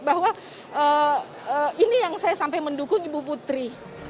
bahwa ini yang saya sampai mendukung ibu putri